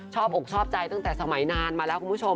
อกชอบใจตั้งแต่สมัยนานมาแล้วคุณผู้ชม